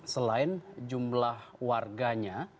selain jumlah warganya